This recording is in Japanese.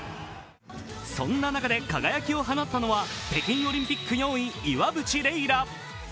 そんな中で輝きを放ったのは、北京オリンピック４位、岩渕麗楽。